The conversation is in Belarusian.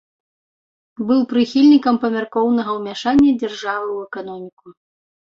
Быў прыхільнікам памяркоўнага ўмяшання дзяржавы ў эканоміку.